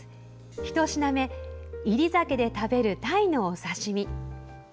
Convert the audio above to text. １品目、煎り酒で食べるタイのお刺身。